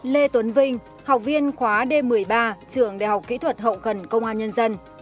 lê tuấn vinh học viên khóa d một mươi ba trường đại học kỹ thuật hậu cần công an nhân dân